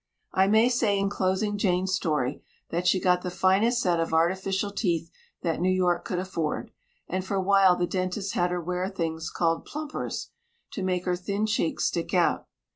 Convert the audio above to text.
I may say in closing Jane's story, that she got the finest set of artificial teeth that New York could afford, and for a while the dentist had her wear things called "plumpers" to make her thin cheeks stick out.